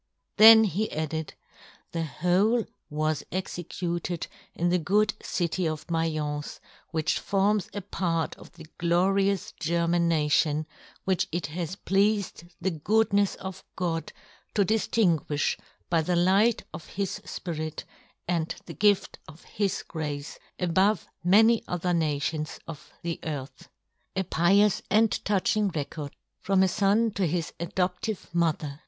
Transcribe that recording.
Then he added —" T^he whole was executed in '* the good city ofMdience, which forms " a part of the glorious German na~ " tion, which it has pleafed the good " nefsofGod to dijiinguijh by the light " of His fpirit, and the gift of His " grace, above many other nations of " the earth.'^ A pious and touching record from a fon to his 3doptive mother